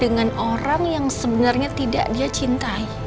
dengan orang yang sebenarnya tidak dia cintai